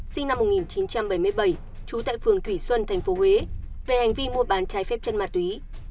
sinh năm một nghìn chín trăm bảy mươi bảy trú tại phường thủy xuân tp huế về hành vi mua bán trái phép chân ma túy